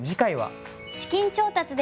「資金調達」です！